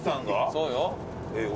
そうよ。